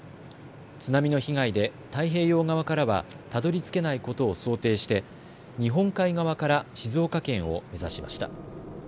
津波の被害で太平洋側からはたどりつけないことを想定して日本海側から静岡県を目指しました。